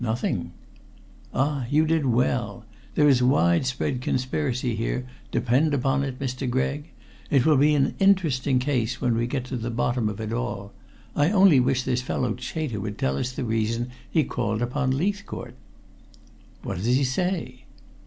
"Nothing." "Ah, you did well. There is widespread conspiracy here, depend upon it, Mr. Gregg. It will be an interesting case when we get to the bottom of it all. I only wish this fellow Chater would tell us the reason he called upon Leithcourt." "What does he say?"